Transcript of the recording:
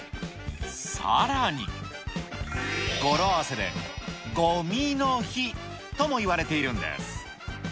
さらに、語呂合わせで、ごみの日ともいわれているんです。